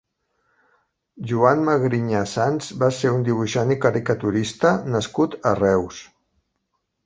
Joan Magrinyà Sans va ser un dibuixant i caricaturista nascut a Reus.